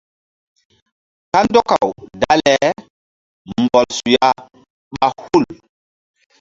Kandɔkaw dale mbɔl suya ɓa hul.